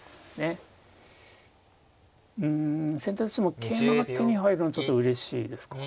うん先手としても桂馬が手に入るのはちょっとうれしいですか。